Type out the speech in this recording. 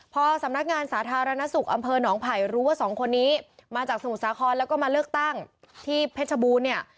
พอสำนักงานสาธารณสุขอำเภอหนองไผ่รู้ว่าสองคนนี้มาจากสมุทรสาครแล้วก็มาเลือกตั้งที่เพชรบูรณ์เนี่ย